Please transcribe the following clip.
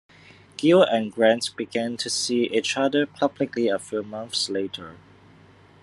Gill and Grant began to see each other publicly a few months later.